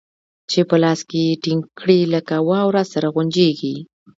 چې په لاس کښې يې ټينګ کړې لکه واوره سره غونجېږي.